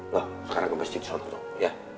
loh sekarang ke masjid sholat dulu ya